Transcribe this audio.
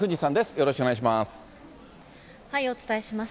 よろしくお願いします。